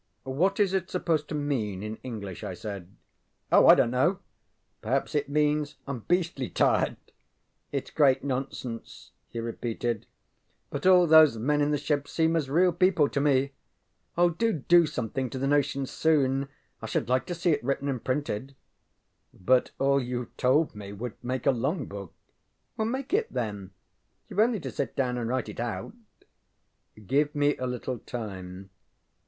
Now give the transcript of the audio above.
ŌĆ£What is it supposed to mean in English? ŌĆØ I said. ŌĆ£Oh, I donŌĆÖt know. Perhaps it means ŌĆśIŌĆÖm beastly tired. ŌĆÖ ItŌĆÖs great nonsence, ŌĆØ he repeated, ŌĆ£but all those men in the ship seem as real people to me. Do do something to the notion soon; I should like to see it written and printed. ŌĆØ ŌĆ£But all youŌĆÖve told me would make a long book. ŌĆØ ŌĆ£Make it then. YouŌĆÖve only to sit down and write it out. ŌĆØ ŌĆ£Give me a little time.